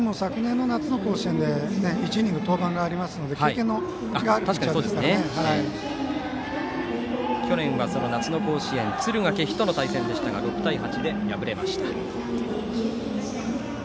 村越君も昨年の夏の甲子園で１イニング登板しましたので去年は、その夏の甲子園敦賀気比との対戦でしたが６対８で敗れました。